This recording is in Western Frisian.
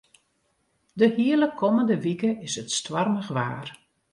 De hiele kommende wike is it stoarmich waar.